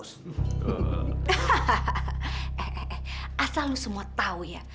eh eh eh asal lo semua tahu ya